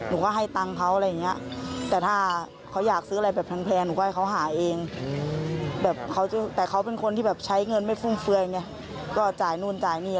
ไม่มีก็เลยต้องเลี้ยง